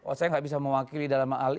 oh saya gak bisa mewakili dalam hal itu